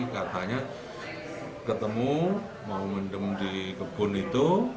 katanya ketemu mau mendem di kebun itu